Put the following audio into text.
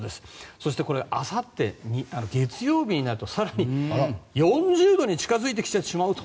そしてあさって月曜日になると更に４０度に近付いてきてしまうと。